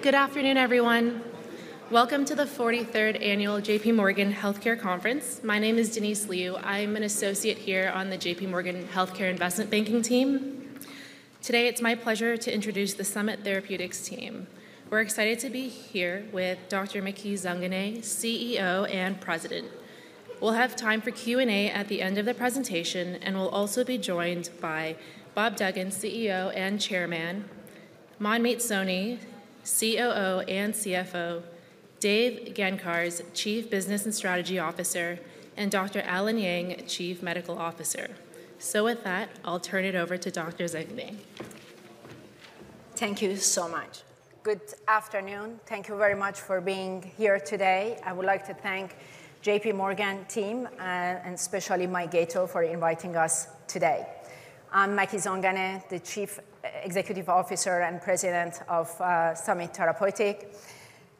Hi, good afternoon, everyone. Welcome to the 43rd Annual JPMorgan Healthcare Conference. My name is Denise Liu. I'm an associate here on the JPMorgan Healthcare Investment Banking team. Today, it's my pleasure to introduce the Summit Therapeutics team. We're excited to be here with Dr. Maky Zanganeh, CEO and President. We'll have time for Q&A at the end of the presentation, and we'll also be joined by Bob Duggan, CEO and Chairman, Manmeet Soni, COO and CFO, Dave Gancarz, Chief Business and Strategy Officer, and Dr. Allen Yang, Chief Medical Officer. So with that, I'll turn it over to Dr. Zanganeh. Thank you so much. Good afternoon. Thank you very much for being here today. I would like to thank the JPMorgan team and especially Mike Gatto for inviting us today. I'm Maky Zanganeh, the Chief Executive Officer and President of Summit Therapeutics.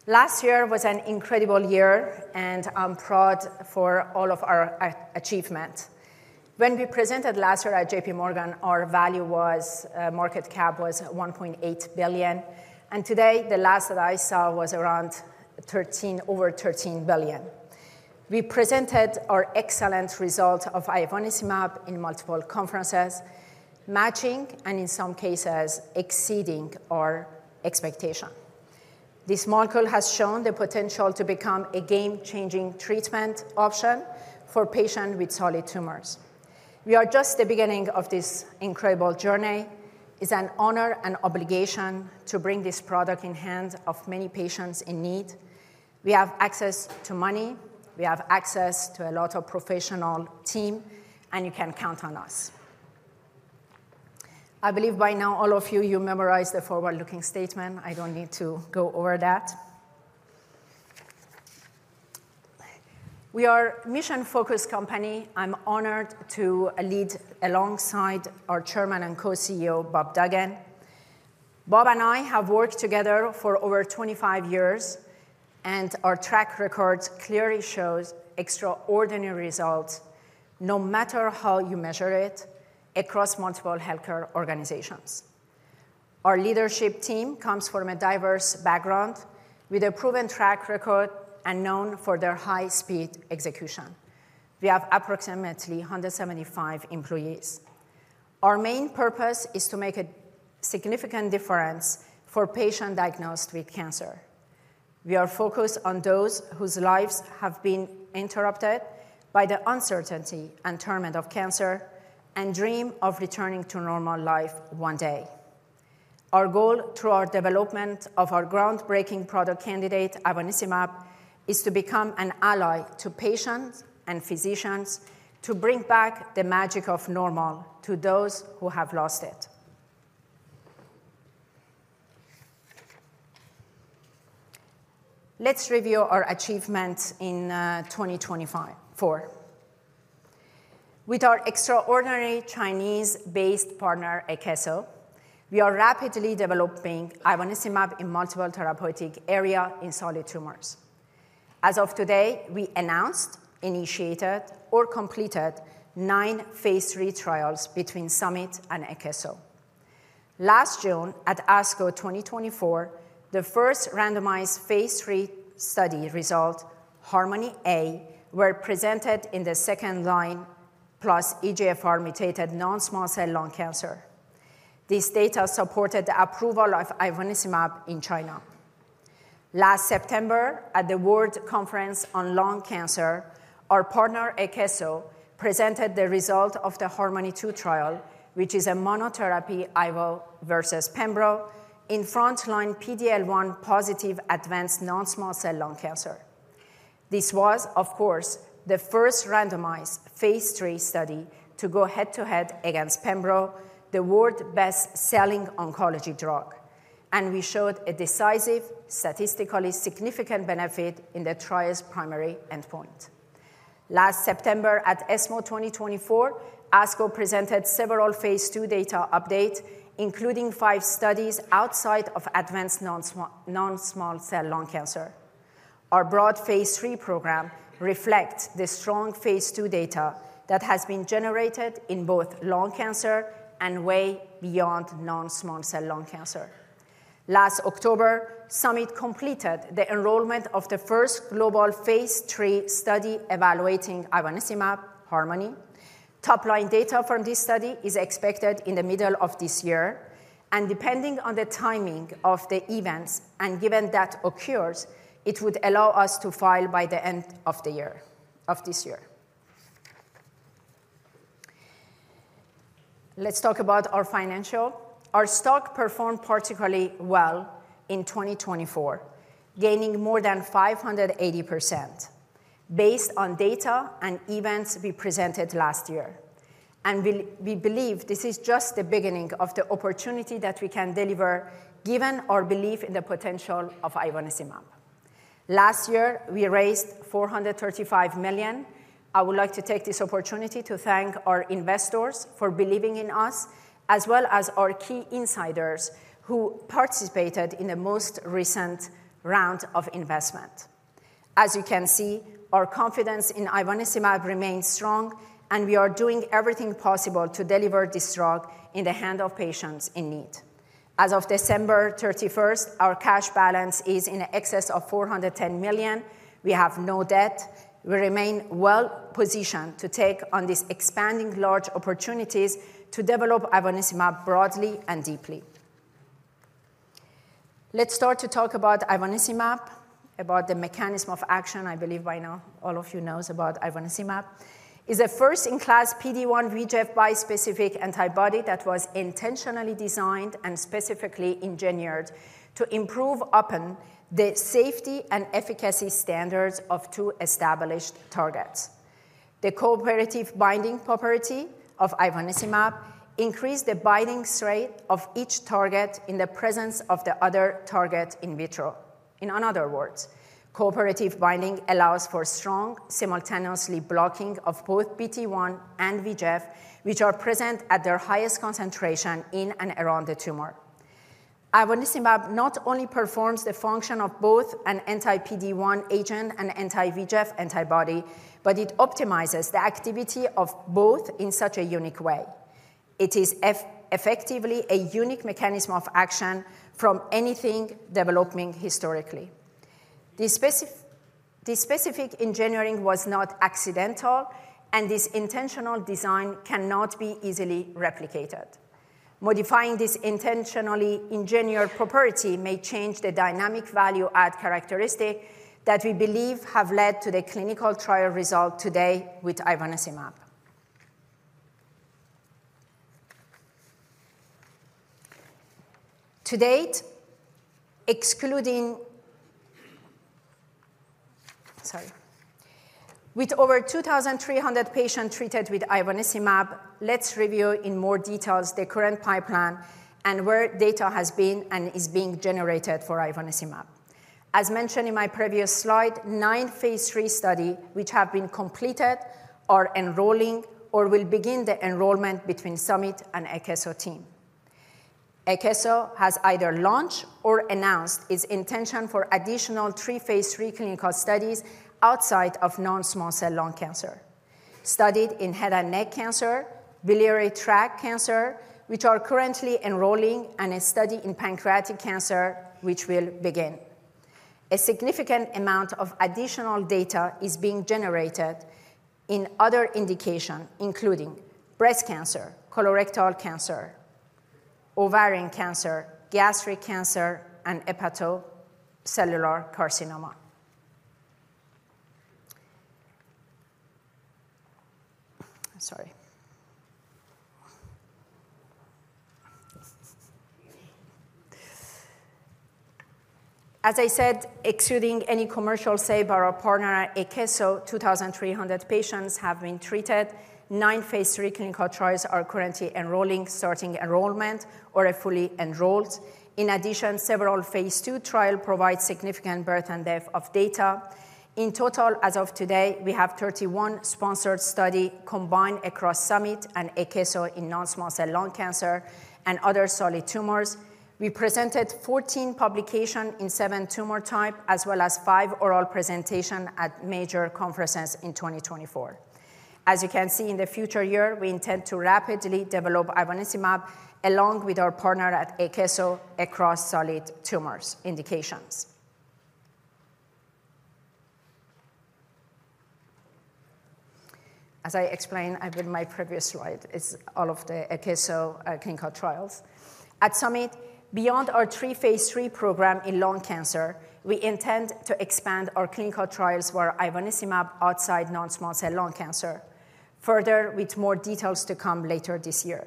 Last year was an incredible year, and I'm proud for all of our achievements. When we presented last year at JPMorgan, our value was market cap $1.8 billion, and today the last that I saw was around $13 billion. We presented our excellent result of ivonescimab in multiple conferences, matching and in some cases exceeding our expectation. This molecule has shown the potential to become a game-changing treatment option for patients with solid tumors. We are just the beginning of this incredible journey. It's an honor and obligation to bring this product in the hands of many patients in need. We have access to money, we have access to a lot of professional teams, and you can count on us. I believe by now all of you, you memorized the forward-looking statement. I don't need to go over that. We are a mission-focused company. I'm honored to lead alongside our Chairman and Co-CEO, Bob Duggan. Bob and I have worked together for over 25 years, and our track record clearly shows extraordinary results no matter how you measure it across multiple healthcare organizations. Our leadership team comes from a diverse background with a proven track record and known for their high-speed execution. We have approximately 175 employees. Our main purpose is to make a significant difference for patients diagnosed with cancer. We are focused on those whose lives have been interrupted by the uncertainty and torment of cancer and dream of returning to normal life one day. Our goal through our development of our groundbreaking product candidate, ivonescimab, is to become an ally to patients and physicians to bring back the magic of normal to those who have lost it. Let's review our achievements in 2024. With our extraordinary Chinese-based partner, Akeso, we are rapidly developing ivonescimab in multiple therapeutic areas in solid tumors. As of today, we announced, initiated, or completed nine phase three trials between Summit and Akeso. Last June at Akeso 2024, the first randomized phase three study result, HARMONY-A, was presented in the second line plus EGFR mutated non-small cell lung cancer. This data supported the approval of ivonescimab in China. Last September, at the World Conference on Lung Cancer, our partner Akeso presented the result of the HARMONY-2 trial, which is a ivonescimab monotherapy versus pembrolizumab in frontline PD-L1 positive advanced non-small cell lung cancer. This was, of course, the first randomized phase 3 study to go head-to-head against pembrolizumab, the world's best-selling oncology drug, and we showed a decisive, statistically significant benefit in the trial's primary endpoint. Last September at ESMO 2024, Akeso presented several phase 2 data updates, including five studies outside of advanced non-small cell lung cancer. Our broad phase 3 program reflects the strong phase 2 data that has been generated in both lung cancer and way beyond non-small cell lung cancer. Last October, Summit completed the enrollment of the first global phase 3 study evaluating ivonescimab, HARMONY. Top-line data from this study is expected in the middle of this year, and depending on the timing of the events and given that occurs, it would allow us to file by the end of this year. Let's talk about our financials. Our stock performed particularly well in 2024, gaining more than 580% based on data and events we presented last year, and we believe this is just the beginning of the opportunity that we can deliver given our belief in the potential of ivonescimab. Last year, we raised $435 million. I would like to take this opportunity to thank our investors for believing in us, as well as our key insiders who participated in the most recent round of investment. As you can see, our confidence in ivonescimab remains strong, and we are doing everything possible to deliver this drug in the hands of patients in need. As of December 31st, our cash balance is in excess of $410 million. We have no debt. We remain well-positioned to take on these expanding large opportunities to develop ivonescimab broadly and deeply. Let's start to talk about ivonescimab, about the mechanism of action. I believe by now all of you know about ivonescimab. It is a first-in-class PD-1 VEGF bispecific antibody that was intentionally designed and specifically engineered to improve upon the safety and efficacy standards of two established targets. The cooperative binding property of ivonescimab increases the binding strength of each target in the presence of the other target in vitro. In other words, cooperative binding allows for strong simultaneous blocking of both PD-1 and VEGF, which are present at their highest concentration in and around the tumor. ivonescimab not only performs the function of both an anti-PD-1 agent and anti-VEGF antibody, but it optimizes the activity of both in such a unique way. It is effectively a unique mechanism of action from anything developing historically. This specific engineering was not accidental, and this intentional design cannot be easily replicated. Modifying this intentionally engineered property may change the dynamic value-add characteristic that we believe has led to the clinical trial result today with ivonescimab. To date, with over 2,300 patients treated with ivonescimab, let's review in more detail the current pipeline and where data has been and is being generated for ivonescimab. As mentioned in my previous slide, nine phase 3 studies which have been completed are enrolling or will begin the enrollment between Summit and Akeso team. Akeso has either launched or announced its intention for additional three phase 3 clinical studies outside of non-small cell lung cancer studied in head and neck cancer, biliary tract cancer, which are currently enrolling, and a study in pancreatic cancer, which will begin. A significant amount of additional data is being generated in other indications, including breast cancer, colorectal cancer, ovarian cancer, gastric cancer, and hepatocellular carcinoma. As I said, excluding any commercial use, our partner Akeso, 2,300 patients have been treated. Nine phase 3 clinical trials are currently enrolling, starting enrollment or are fully enrolled. In addition, several phase 2 trials provide significant breadth and depth of data. In total, as of today, we have 31 sponsored studies combined across Summit and Akeso in non-small cell lung cancer and other solid tumors. We presented 14 publications in seven tumor types, as well as five oral presentations at major conferences in 2024. As you can see, in the coming year, we intend to rapidly develop ivonescimab along with our partner at Akeso across solid tumor indications. As I explained in my previous slide, it's all about the Akeso clinical trials. At Summit, beyond our three phase 3 programs in lung cancer, we intend to expand our clinical trials for ivonescimab outside non-small cell lung cancer. Further, with more details to come later this year,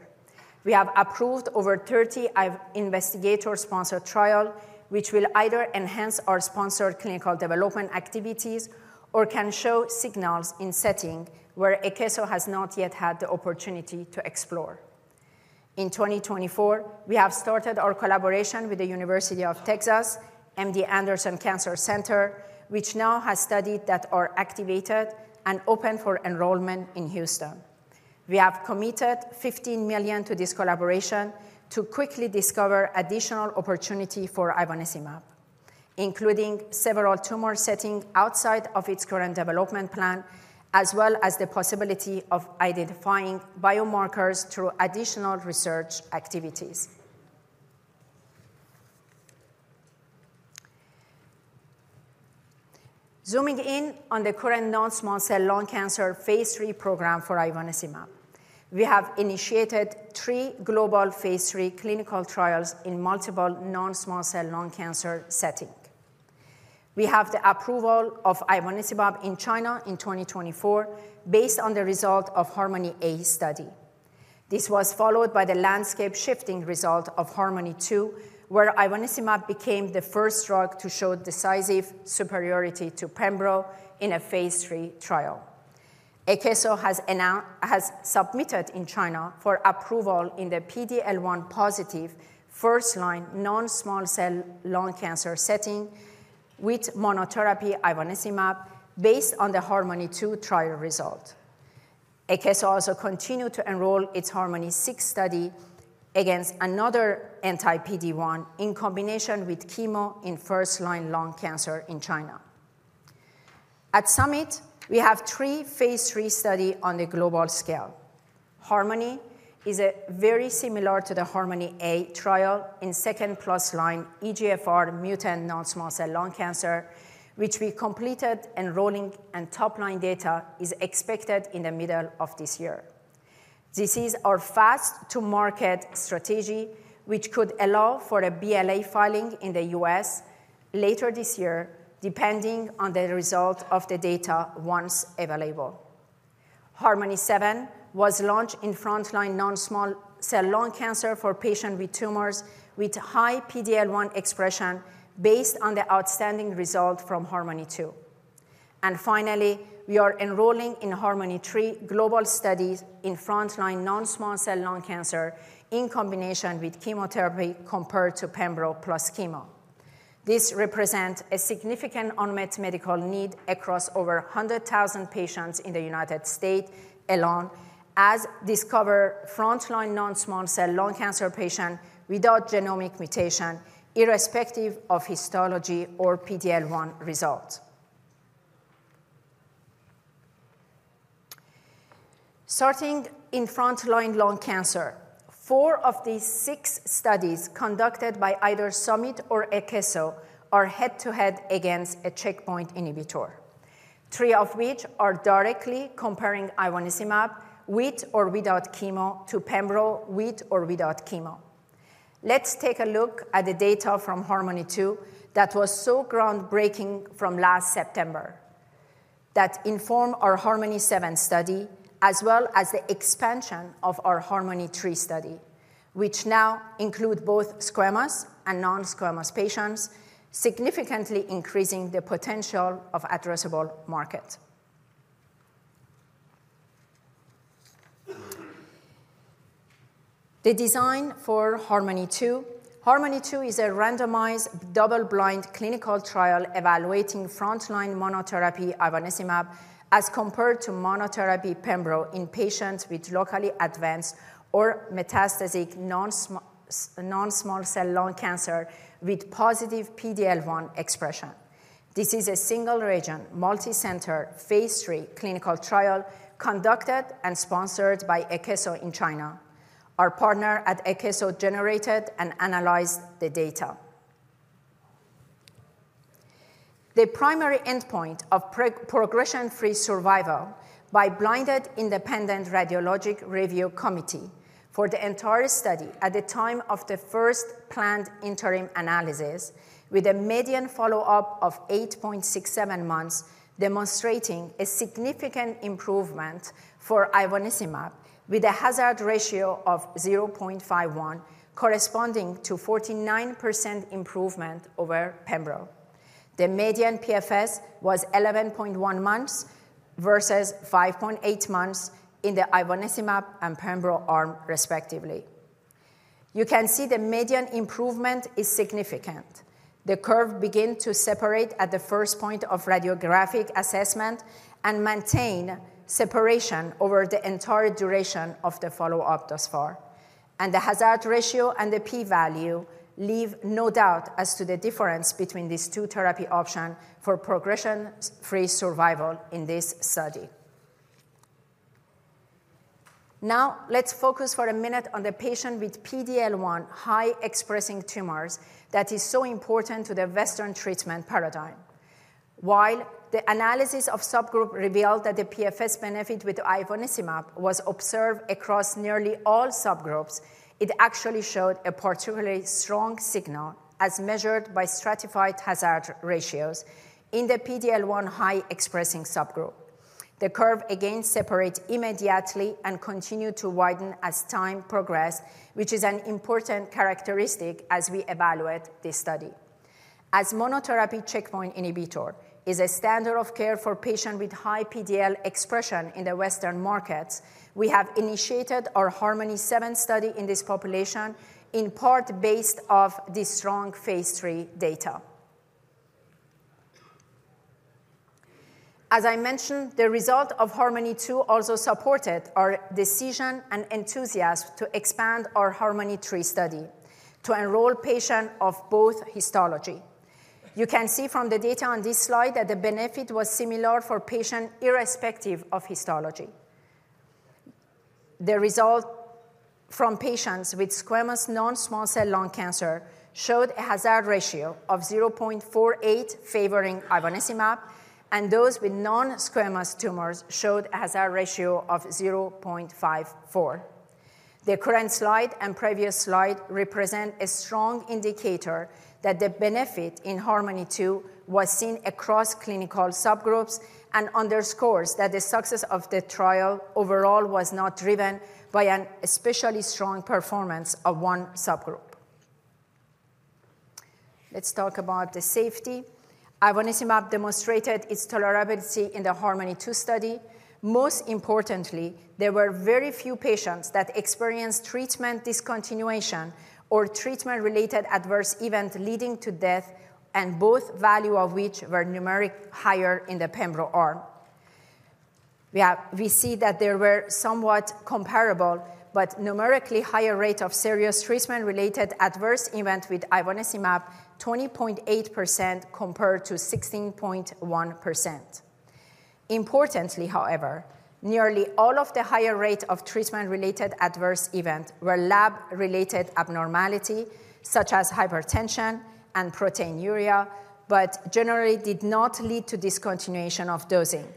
we have approved over 30 investigator-sponsored trials which will either enhance our sponsored clinical development activities or can show signals in settings where Akeso has not yet had the opportunity to explore. In 2024, we have started our collaboration with The University of Texas MD Anderson Cancer Center, which now has studies that are activated and open for enrollment in Houston. We have committed $15 million to this collaboration to quickly discover additional opportunities for ivonescimab, including several tumor settings outside of its current development plan, as well as the possibility of identifying biomarkers through additional research activities. Zooming in on the current non-small cell lung cancer phase three program for ivonescimab, we have initiated three global phase three clinical trials in multiple non-small cell lung cancer settings. We have the approval of ivonescimab in China in 2024 based on the result of HARMONY-A study. This was followed by the landscape-shifting result of HARMONY-2, where ivonescimab became the first drug to show decisive superiority to pembrolizumab in a phase three trial. Akeso has submitted in China for approval in the PD-L1 positive first-line non-small cell lung cancer setting with monotherapy ivonescimab based on the HARMONY-2 trial result. Akeso also continued to enroll its HARMONY-6 study against another anti-PD-1 in combination with chemo in first-line lung cancer in China. At Summit, we have three phase three studies on the global scale. HARMONY is very similar to the HARMONY-A trial in second-plus line EGFR mutant non-small cell lung cancer, which we completed enrolling, and top-line data is expected in the middle of this year. This is our fast-to-market strategy, which could allow for a BLA filing in the U.S. later this year, depending on the result of the data once available. HARMONY-6i was launched in front-line non-small cell lung cancer for patients with tumors with high PD-L1 expression based on the outstanding result from HARMONY II, and finally, we are enrolling in HARMONY III global studies in front-line non-small cell lung cancer in combination with chemotherapy compared to pembrolizumab plus chemo. This represents a significant unmet medical need across over 100,000 patients in the United States alone for undiscovered front-line non-small cell lung cancer patients without genomic mutation, irrespective of histology or PD-L1 results. Starting in front-line lung cancer, four of the six studies conducted by either Summit or Akeso are head-to-head against a checkpoint inhibitor, three of which are directly comparing ivonescimab with or without chemo to pembrolizumab with or without chemo. Let's take a look at the data from Harmony II that was so groundbreaking from last September that informed our HARMONY-6i study, as well as the expansion of our Harmony III study, which now includes both squamous and non-squamous patients, significantly increasing the potential of addressable market. The design for Harmony II, Harmony II is a randomized double-blind clinical trial evaluating front-line monotherapy ivonescimab as compared to monotherapy pembrolizumab in patients with locally advanced or metastatic non-small cell lung cancer with positive PD-L1 expression. This is a single-region, multi-center phase three clinical trial conducted and sponsored by Akeso in China. Our partner at Akeso generated and analyzed the data. The primary endpoint of progression-free survival by Blinded Independent Radiologic Review Committee for the entire study at the time of the first planned interim analysis, with a median follow-up of 8.67 months, demonstrated a significant improvement for ivonescimab with a hazard ratio of 0.51, corresponding to a 49% improvement over pembrolizumab. The median PFS was 11.1 months versus 5.8 months in the ivonescimab and pembrolizumab arm, respectively. You can see the median improvement is significant. The curve began to separate at the first point of radiographic assessment and maintained separation over the entire duration of the follow-up thus far, and the hazard ratio and the P-value leave no doubt as to the difference between these two therapy options for progression-free survival in this study. Now, let's focus for a minute on the patient with PD-L1 high-expressing tumors that is so important to the Western treatment paradigm. While the analysis of subgroups revealed that the PFS benefit with ivonescimab was observed across nearly all subgroups, it actually showed a particularly strong signal as measured by stratified hazard ratios in the PD-L1 high-expressing subgroup. The curve again separated immediately and continued to widen as time progressed, which is an important characteristic as we evaluate this study. As monotherapy checkpoint inhibitor is a standard of care for patients with high PD-L1 expression in the Western markets, we have initiated our HARMONY-7 study in this population, in part based on the strong phase three data. As I mentioned, the result of HARMONY-2 also supported our decision and enthusiasm to expand our HARMONY-3 study to enroll patients of both histologies. You can see from the data on this slide that the benefit was similar for patients irrespective of histologies. The result from patients with squamous non-small cell lung cancer showed a hazard ratio of 0.48 favoring ivonescimab, and those with non-squamous tumors showed a hazard ratio of 0.54. The current slide and previous slide represent a strong indicator that the benefit in HARMONY-2 was seen across clinical subgroups and underscores that the success of the trial overall was not driven by an especially strong performance of one subgroup. Let's talk about the safety. ivonescimab demonstrated its tolerability in the HARMONY-2 study. Most importantly, there were very few patients that experienced treatment discontinuation or treatment-related adverse events leading to death, and both values of which were numerically higher in the pembrolizumab arm. We see that there were somewhat comparable but numerically higher rates of serious treatment-related adverse events with ivonescimab, 20.8% compared to 16.1%. Importantly, however, nearly all of the higher rates of treatment-related adverse events were lab-related abnormalities, such as hypertension and proteinuria, but generally did not lead to discontinuation of dosing.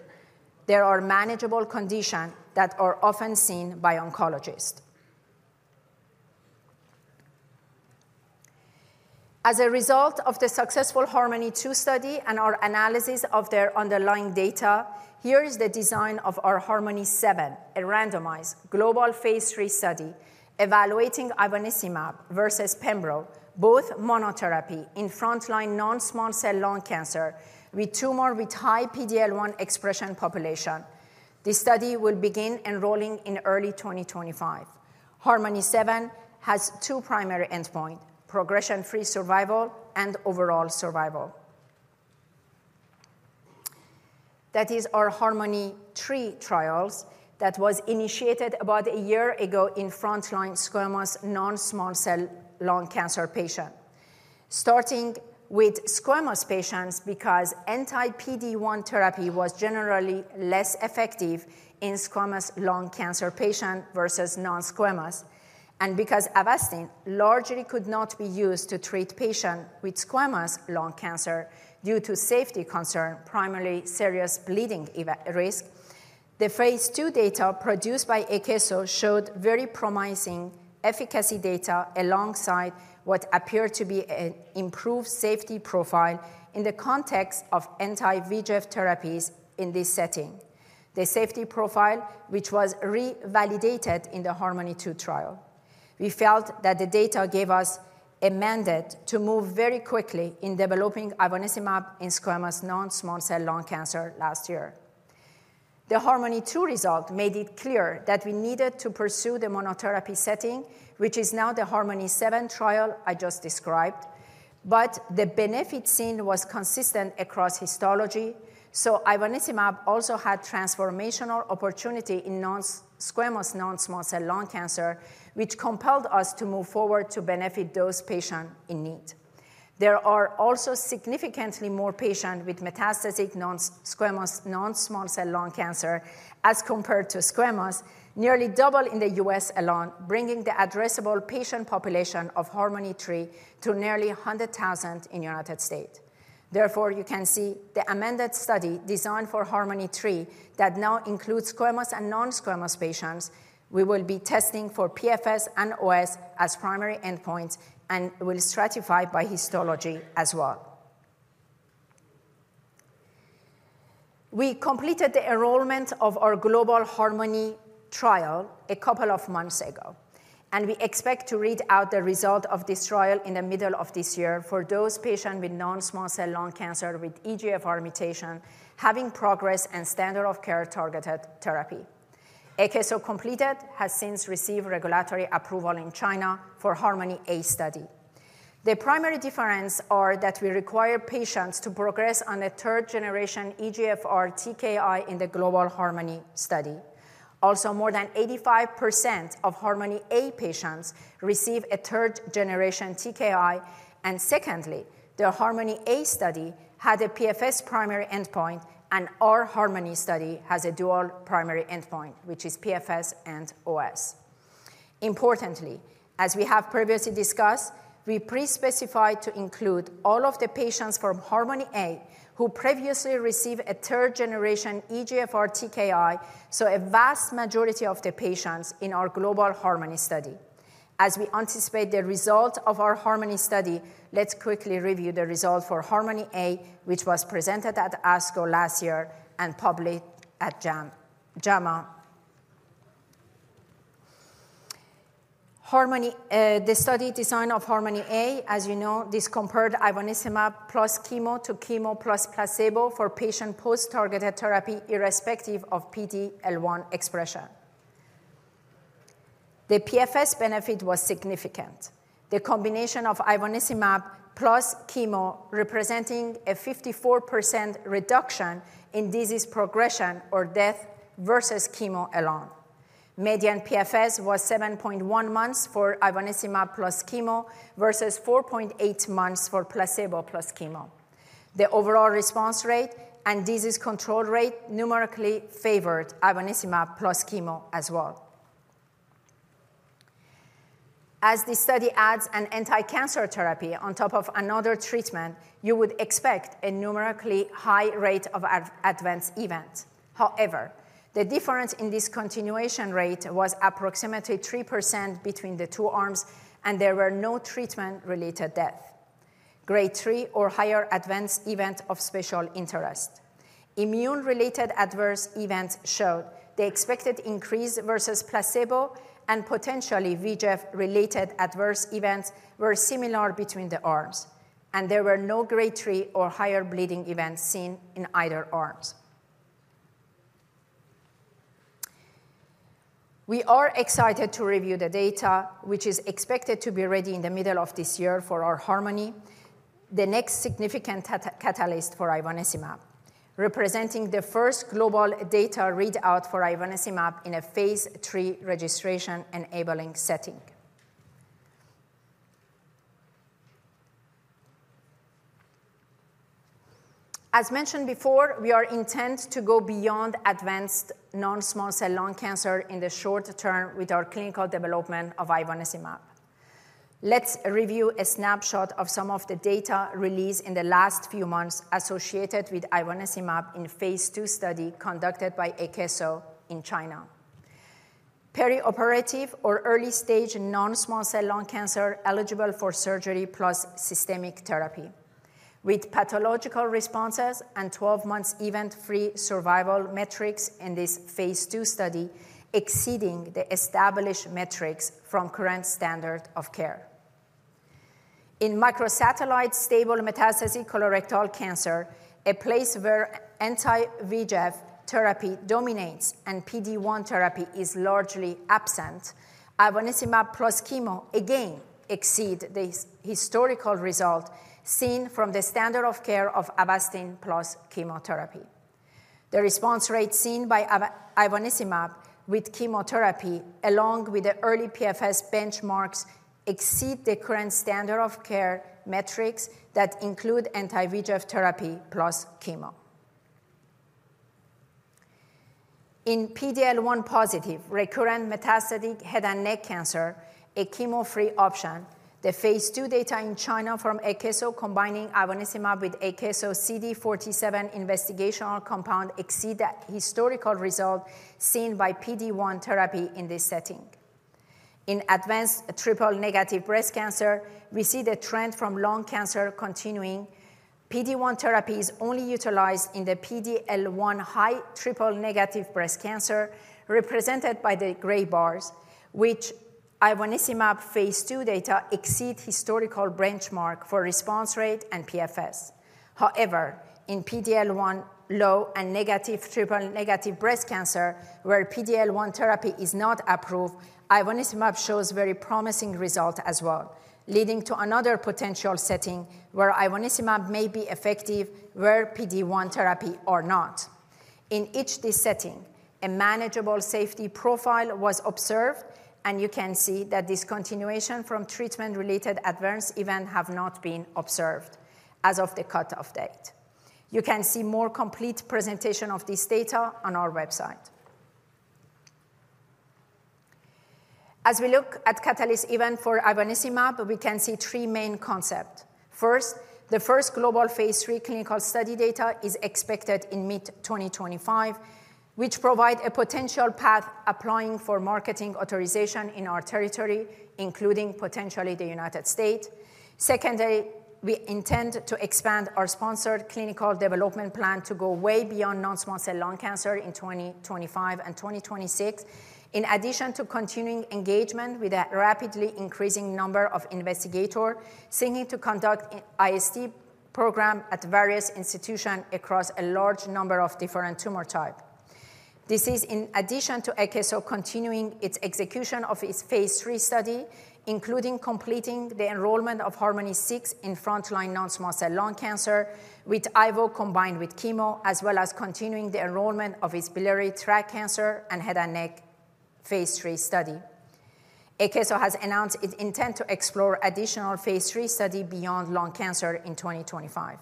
There are manageable conditions that are often seen by oncologists. As a result of the successful HARMONY-2 study and our analysis of their underlying data, here is the design of our HARMONY-7, a randomized global phase 3 study evaluating ivonescimab versus pembrolizumab, both monotherapy in front-line non-small cell lung cancer with tumors with high PD-L1 expression population. This study will begin enrolling in early 2025. HARMONY-7 has two primary endpoints: progression-free survival and overall survival. That is our HARMONY-3 trial that was initiated about a year ago in front-line squamous non-small cell lung cancer patients. Starting with squamous patients because anti-PD-1 therapy was generally less effective in squamous lung cancer patients versus non-squamous, and because Avastin largely could not be used to treat patients with squamous lung cancer due to safety concerns, primarily serious bleeding risk, the phase two data produced by Akeso showed very promising efficacy data alongside what appeared to be an improved safety profile in the context of anti-VEGF therapies in this setting. The safety profile, which was revalidated in the HARMONY-2 trial, we felt that the data gave us a mandate to move very quickly in developing ivonescimab in squamous non-small cell lung cancer last year. The HARMONY-2 result made it clear that we needed to pursue the monotherapy setting, which is now the HARMONY-7 trial I just described, but the benefit seen was consistent across histology. So ivonescimab also had transformational opportunity in non-squamous non-small cell lung cancer, which compelled us to move forward to benefit those patients in need. There are also significantly more patients with metastatic non-squamous non-small cell lung cancer as compared to squamous, nearly double in the U.S. alone, bringing the addressable patient population of HARMONY-3 to nearly 100,000 in the United States. Therefore, you can see the amended study designed for HARMONY-3 that now includes squamous and non-squamous patients. We will be testing for PFS and OS as primary endpoints and will stratify by histology as well. We completed the enrollment of our global HARMONY trial a couple of months ago, and we expect to read out the result of this trial in the middle of this year for those patients with non-small cell lung cancer with EGFR mutation having progress and standard of care targeted therapy. Akeso has since received regulatory approval in China for HARMONY-A study. The primary differences are that we require patients to progress on a third-generation EGFR TKI in the global HARMONY study. Also, more than 85% of HARMONY-A patients receive a third-generation TKI, and secondly, the HARMONY-A study had a PFS primary endpoint, and our HARMONY study has a dual primary endpoint, which is PFS and OS. Importantly, as we have previously discussed, we pre-specified to include all of the patients from HARMONY-A who previously received a third-generation EGFR TKI, so a vast majority of the patients in our global HARMONY study. As we anticipate the result of our HARMONY study, let's quickly review the result for HARMONY-A, which was presented at Akeso last year and published at JAMA. The study design of HARMONY-A, as you know, this compared ivonescimab plus chemo to chemo plus placebo for patients post-targeted therapy irrespective of PD-L1 expression. The PFS benefit was significant. The combination of ivonescimab plus chemo represented a 54% reduction in disease progression or death versus chemo alone. Median PFS was 7.1 months for ivonescimab plus chemo versus 4.8 months for placebo plus chemo. The overall response rate and disease control rate numerically favored ivonescimab plus chemo as well. As the study adds an anti-cancer therapy on top of another treatment, you would expect a numerically high rate of adverse events. However, the difference in discontinuation rate was approximately 3% between the two arms, and there were no treatment-related deaths, grade III or higher adverse events of special interest. Immune-related adverse events showed the expected increase versus placebo and potentially VEGF-related adverse events were similar between the arms, and there were no grade III or higher bleeding events seen in either arms. We are excited to review the data, which is expected to be ready in the middle of this year for our HARMONY, the next significant catalyst for ivonescimab, representing the first global data readout for ivonescimab in a phase three registration enabling setting. As mentioned before, we are intent to go beyond advanced non-small cell lung cancer in the short term with our clinical development of ivonescimab. Let's review a snapshot of some of the data released in the last few months associated with ivonescimab in phase two study conducted by Akeso in China. Perioperative or early-stage non-small cell lung cancer eligible for surgery plus systemic therapy with pathological responses and 12-month event-free survival metrics in this phase two study exceeding the established metrics from current standard of care. In microsatellite stable metastatic colorectal cancer, a place where anti-VEGF therapy dominates and PD-1 therapy is largely absent, ivonescimab plus chemo again exceeds the historical result seen from the standard of care of Avastin plus chemotherapy. The response rate seen by ivonescimab with chemotherapy, along with the early PFS benchmarks, exceeds the current standard of care metrics that include anti-VEGF therapy plus chemo. In PD-L1 positive recurrent metastatic head and neck cancer, a chemo-free option, the phase two data in China from Akeso combining ivonescimab with Akeso CD47 investigational compound exceeds the historical result seen by PD-1 therapy in this setting. In advanced triple-negative breast cancer, we see the trend from lung cancer continuing. PD-1 therapy is only utilized in the PD-L1 high triple-negative breast cancer, represented by the gray bars, which ivonescimab phase 2 data exceeds historical benchmark for response rate and PFS. However, in PD-L1 low and negative triple-negative breast cancer, where PD-L1 therapy is not approved, ivonescimab shows very promising results as well, leading to another potential setting where ivonescimab may be effective where PD-1 therapy is not. In each of these settings, a manageable safety profile was observed, and you can see that discontinuation from treatment-related advanced events has not been observed as of the cut-off date. You can see a more complete presentation of this data on our website. As we look at catalyst events for ivonescimab, we can see three main concepts. First, the first global phase three clinical study data is expected in mid-2025, which provides a potential path applying for marketing authorization in our territory, including potentially the United States. Secondly, we intend to expand our sponsored clinical development plan to go way beyond non-small cell lung cancer in 2025 and 2026, in addition to continuing engagement with a rapidly increasing number of investigators seeking to conduct IST programs at various institutions across a large number of different tumor types. This is in addition to Akeso continuing its execution of its phase three study, including completing the enrollment of HARMONY-6 in front-line non-small cell lung cancer with ivonescimab combined with chemo, as well as continuing the enrollment of its biliary tract cancer and head and neck phase three study. Akeso has announced its intent to explore additional phase three studies beyond lung cancer in 2025.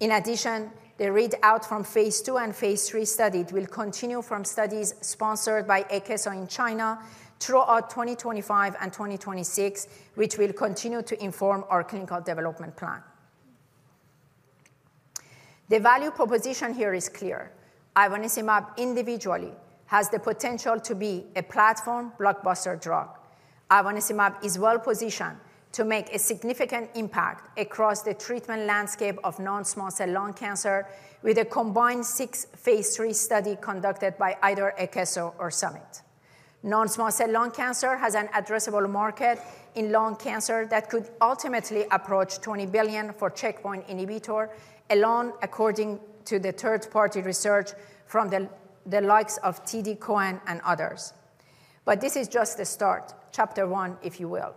In addition, the readout from phase two and phase three studies will continue from studies sponsored by Akeso in China throughout 2025 and 2026, which will continue to inform our clinical development plan. The value proposition here is clear. Ivonescimab individually has the potential to be a platform blockbuster drug. Ivonescimab is well-positioned to make a significant impact across the treatment landscape of non-small cell lung cancer with a combined six phase three studies conducted by either Akeso or Summit. Non-small cell lung cancer has an addressable market in lung cancer that could ultimately approach $20 billion for checkpoint inhibitor alone, according to the third-party research from the likes of TD Cowen and others. But this is just the start, chapter one, if you will.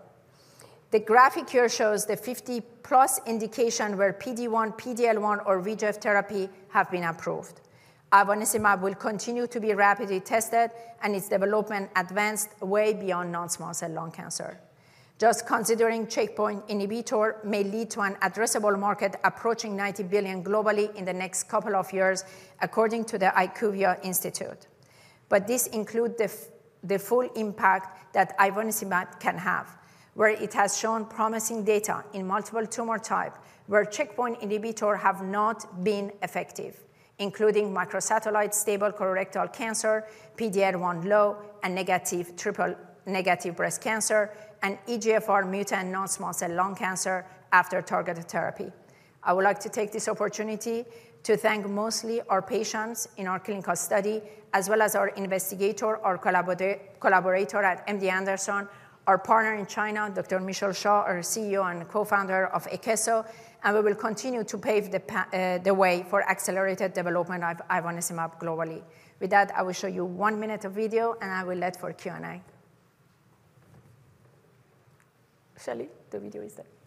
The graphic here shows the 50-plus indications where PD-1, PD-L1, or VEGF therapy have been approved. Ivonescimab will continue to be rapidly tested, and its development advanced way beyond non-small cell lung cancer. Just considering checkpoint inhibitor may lead to an addressable market approaching $90 billion globally in the next couple of years, according to the IQVIA Institute. But this includes the full impact that ivonescimab can have, where it has shown promising data in multiple tumor types where checkpoint inhibitors have not been effective, including microsatellite stable colorectal cancer, PD-L1 low and negative triple-negative breast cancer, and EGFR mutant non-small cell lung cancer after targeted therapy. I would like to take this opportunity to thank mostly our patients in our clinical study, as well as our investigator, our collaborator at MD Anderson, our partner in China, Dr. Michelle Xia, our CEO and co-founder of Akeso. We will continue to pave the way for accelerated development of ivonescimab globally. With that, I will show you one minute of video, and I will let for Q&A. Shelly, the video is there.